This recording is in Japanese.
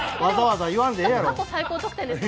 過去最高得点ですか。